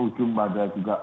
ujung pada juga